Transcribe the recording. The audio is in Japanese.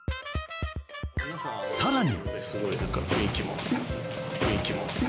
さらに。